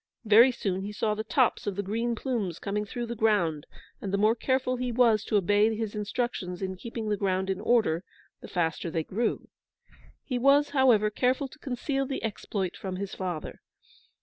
Very soon he saw the tops of the green plumes coming through the ground; and the more careful he was to obey his instructions in keeping the ground in order, the faster they grew. He was, however, careful to conceal the exploit from his father.